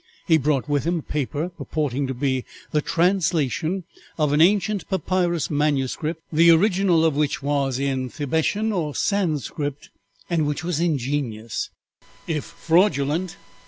He brought with him a paper purporting to be the translation of an ancient papyrus manuscript, the original of which was in Thibetian or Sanscrit and which was ingenious, if fraudulent.